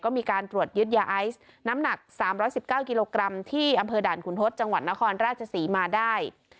ก็มีการตรวจยึดยาไอซ์น้ำหนัก๓๑๙กิโลกรัมที่อำเภอด่านขุนทศจังหวัดนครราชศรีมาได้